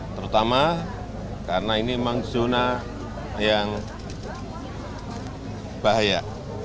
terutama karena ini memang zona yang bahaya